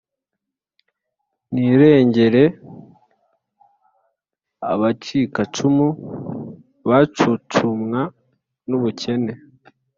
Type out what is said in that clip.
Nirengere abacikacumu Bacucumwa n’ubukene !